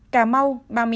cà mau ba mươi hai